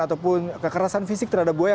ataupun kekerasan fisik terhadap buaya